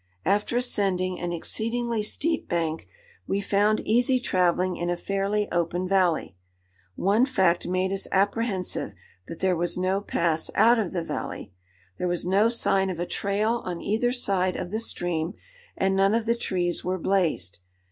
After ascending an exceedingly steep bank, we found easy travelling in a fairly open valley. One fact made us apprehensive that there was no pass out of the valley. There was no sign of a trail on either side of the stream, and none of the trees were blazed.